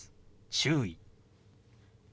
「注意」。